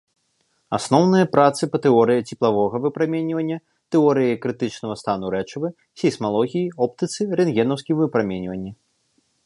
Асноўныя працы па тэорыі цеплавога выпраменьвання, тэорыі крытычнага стану рэчывы, сейсмалогіі, оптыцы, рэнтгенаўскім выпраменьванні.